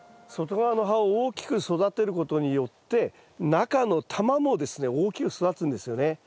外側の葉を大きく育てることによって中の玉もですね大きく育つんですよね。